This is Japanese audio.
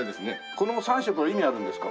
この３色は意味あるんですか？